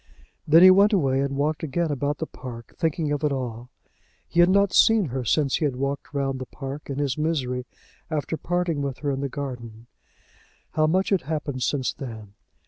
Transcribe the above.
Then he went away and walked again about the park, thinking of it all. He had not seen her since he had walked round the park, in his misery, after parting with her in the garden. How much had happened since then!